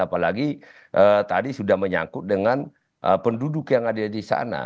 apalagi tadi sudah menyangkut dengan penduduk yang ada di sana